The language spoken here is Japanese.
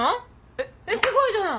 えっすごいじゃない！